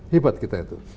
hebat kita itu